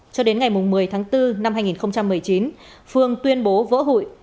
cho đến ngày một mươi tháng bốn năm hai nghìn một mươi chín phương tuyên bố vỡ hụi